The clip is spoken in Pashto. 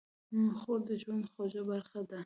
خور د ژوند خوږه برخه ده.